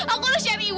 aku lusian ibu aku